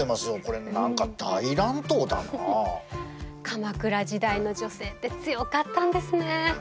鎌倉時代の女性って強かったんですね。